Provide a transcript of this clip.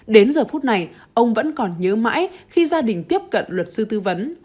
đến giờ phút này ông vẫn còn nhớ mãi khi gia đình tiếp cận luật sư tư vấn